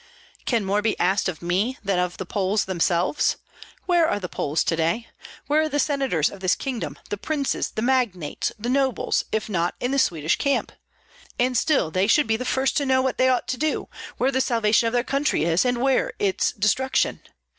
"Can more be asked of me than of the Poles themselves? Where are the Poles to day? Where are the senators of this kingdom, the princes, the magnates, the nobles, if not in the Swedish camp? And still they should be the first to know what they ought to do, where the salvation of their country is, and where its destruction.